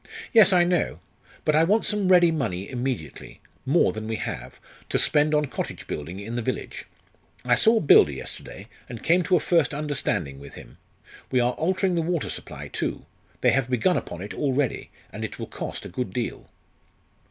"Yes, I know. But I want some ready money immediately more than we have to spend on cottage building in the village. I saw a builder yesterday and came to a first understanding with him. We are altering the water supply too. They have begun upon it already, and it will cost a good deal."